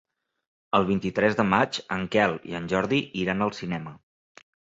El vint-i-tres de maig en Quel i en Jordi iran al cinema.